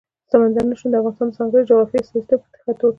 سمندر نه شتون د افغانستان د ځانګړي جغرافیې استازیتوب په ښه توګه کوي.